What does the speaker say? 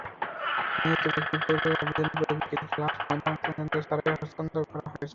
নিহত ব্যক্তির পরিবারের আবেদনের পরিপ্রেক্ষিতে লাশ ময়নাতদন্ত ছাড়াই হস্তান্তর করা হয়েছে।